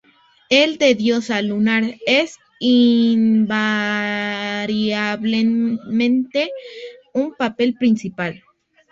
El de diosa lunar es invariablemente un papel principal.